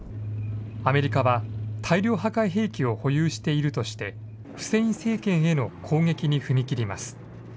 アメリカは、大量破壊兵器を保有しているとして、フセイン政権への攻撃に踏み切ります。